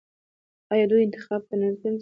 آیا دوی انتخابات نه تنظیموي؟